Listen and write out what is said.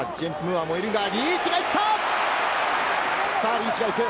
リーチが行く。